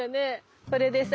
それでさ